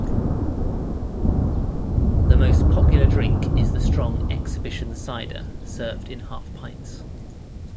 The most popular drink is the strong "Exhibition Cider", served in half pints.